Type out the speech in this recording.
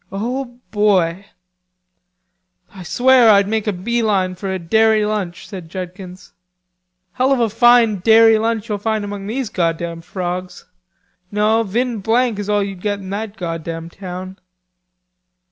"O boy!" "I swear I'd make a bee line for a dairy lunch," said Judkins. "Hell of a fine dairy lunch you'll find among those goddam frogs. No, vin blank is all you'ld get in that goddam town."